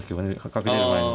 角出る前に。